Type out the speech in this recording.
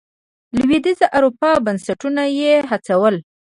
لوېدیځې اروپا بنسټونه یې هڅول.